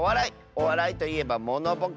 おわらいといえばモノボケ！